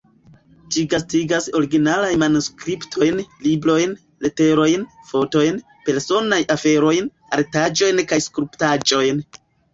Ĝi gastigas originalaj manuskriptojn, librojn, leterojn, fotojn, personaj aferojn, artaĵojn kaj skulptaĵojn.